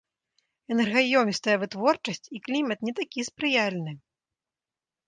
Энергаёмістая вытворчасць і клімат не такі спрыяльны.